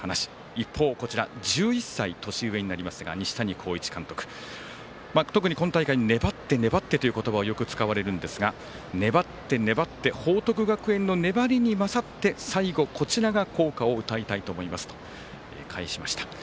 一方、こちら１１歳年上になりますが西谷浩一監督、今大会粘って、粘ってという言葉をよく使われるんですが粘って、粘って報徳学園の粘りに勝って最後こちらが校歌を歌いたいと思いますと返しました。